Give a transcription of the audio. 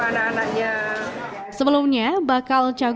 alunipon pes baharul umum di kabupaten cikgu